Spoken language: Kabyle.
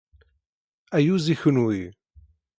Ayyuz i kenwi!